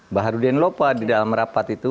mbah rudin lopa di dalam rapat itu